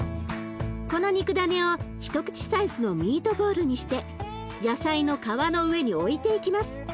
この肉だねを一口サイズのミートボールにして野菜の皮の上に置いていきます。